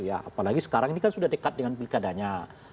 apalagi sekarang ini kan sudah dekat dengan pilkadanya